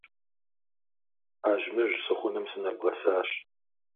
Ажьмыжь сыхъуным сынэбгъэсащ.